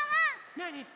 なに？